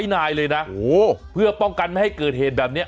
นายเลยนะเพื่อป้องกันไม่ให้เกิดเหตุแบบนี้